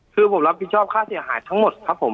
คือผมรับผิดชอบค่าเสียหายทั้งหมดครับผม